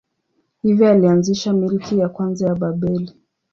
Hivyo alianzisha milki ya kwanza ya Babeli.